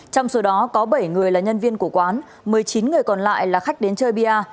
trong số đó có bảy người là nhân viên của quán một mươi chín người còn lại là khách đến chơi bia